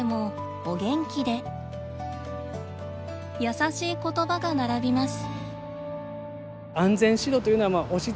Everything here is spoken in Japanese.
優しいことばが並びます。